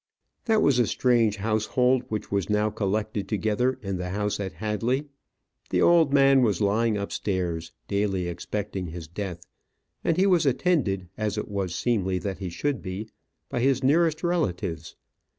That was a strange household which was now collected together in the house at Hadley. The old man was lying upstairs, daily expecting his death; and he was attended, as it was seemly that he should be, by his nearest relatives.